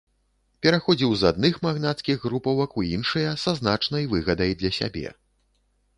Пераходзіў з адных магнацкіх груповак у іншыя са значнай выгадай для сябе.